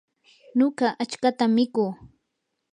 nuqa achkatam mikuu.